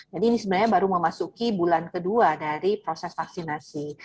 jadi ini sebenarnya baru memasuki bulan kedua dari proses vaksinasi